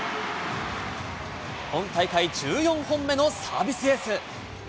今大会１４本目のサービスエース。